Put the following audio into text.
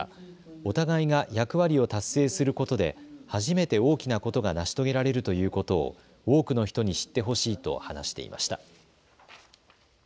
お互いが役割を達成することで初めて大きなことが成し遂げられるということを多くの人に知ってほしいと話していました。